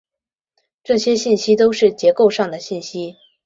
这些信息都是结构上的信息。